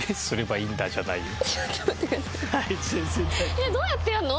えっどうやってやるの？